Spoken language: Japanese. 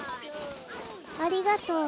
ありがとう。